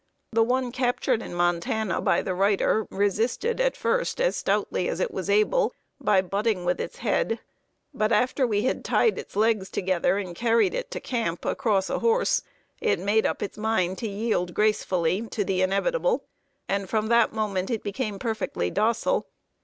The one captured in Montana by the writer, resisted at first as stoutly as it was able, by butting with its head, but after we had tied its legs together and carried it to camp, across a horse, it made up its mind to yield gracefully to the inevitable, and from that moment became perfectly docile.